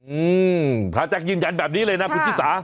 อืมพระแจ็คยืนยันแบบนี้เลยนะคุณชิสา